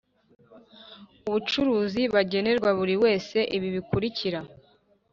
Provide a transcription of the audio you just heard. Ubucuruzi bagenerwa buri wese ibi bikurikira